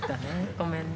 ごめんね。